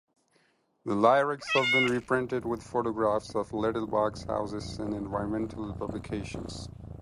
The lyrics have been reprinted with photographs of "Little Box" houses in environmental publications.